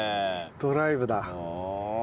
ドライブだ。